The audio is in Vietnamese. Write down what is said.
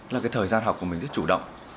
là cái thời gian học của mình rất chủ động